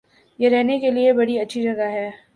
یہ رہنے کےلئے بڑی اچھی جگہ ہے